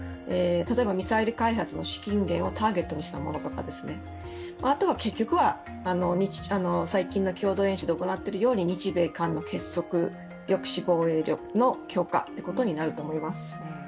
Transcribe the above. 例えばミサイル開発の資金源をターゲットにしたものですとかあとは結局は最近の共同演習で行っているように日米韓の結束、抑止防衛力の強化となると思います。